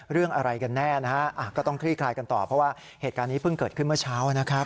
เพราะว่าเหตุการณ์นี้เพิ่งเกิดขึ้นเมื่อเช้านะครับ